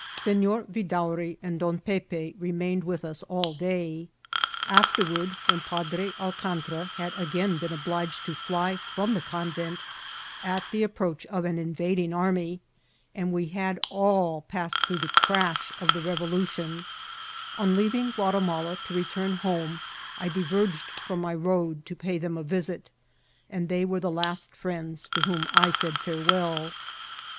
Sefior Vidaury and Don Pepe remained with us all day. Af terwardy when Padre Alcantra had again been obliged to fly from the convent at the approach of an invading army, and we had all passed through the crash of the revolution, on leaving Guatimala to return home I di verged £rom my road to pay them a visit, and they were the last friends to whom I said farewell.